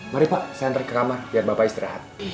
mari pak saya naik ke kamar biar bapak istirahat